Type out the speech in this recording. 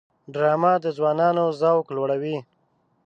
ډرامه د ځوانانو ذوق لوړوي